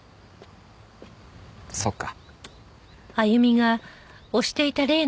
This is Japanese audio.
そっか。